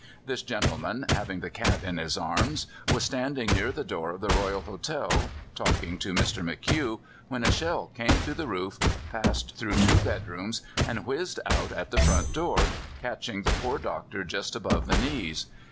This gentleman, having the cat in his arms, was standing near the door of the Royal Hotel talking to Mr. McHugh, when a shell came through the roof, passed through two bedrooms, and whizzed out at the front door, catching the poor doctor just above the knees.